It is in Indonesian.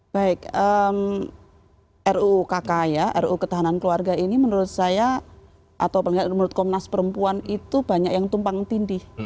baik rukk ya ruu ketahanan keluarga ini menurut saya atau menurut komnas perempuan itu banyak yang tumpang tindih